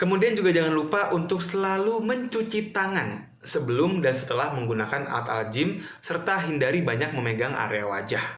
kemudian juga jangan lupa untuk selalu mencuci tangan sebelum dan setelah menggunakan alat alat gym serta hindari banyak memegang area wajah